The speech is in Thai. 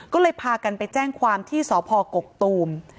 ก็เลยพากันไปแจ้งความที่สพกกตูม